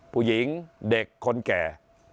ผู้หญิงเด็กคนแก่